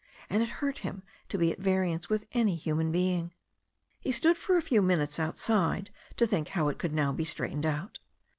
And it hurt him to be at variance with any human being. He stood for a few minutes outside to think how it could now be straightened out.